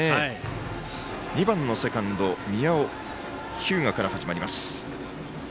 ２番のセカンド宮尾日向から始まります。